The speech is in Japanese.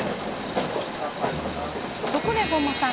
そこで本間さん